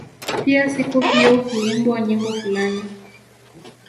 Pia siku hiyo huimbwa nyimbo fulani